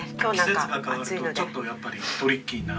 季節が変わるとちょっとやっぱりトリッキーな。